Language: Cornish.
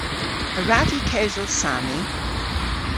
A wrav vy kewsel Saami?